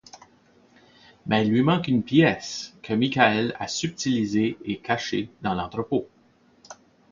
Mais il lui manque une pièce, que Michael a subtilisée et cachée dans l'entrepôt.